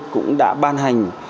cũng đã ban hành